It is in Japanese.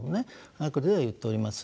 「葉隠」では言っております。